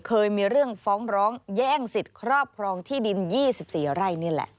เคยมีเรื่องฟ้องร้องแย่งสิทธิ์ครอบครองที่ดิน๒๔ไร่นี่แหละ